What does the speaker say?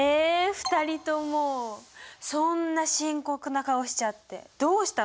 ２人ともそんな深刻な顔しちゃってどうしたの？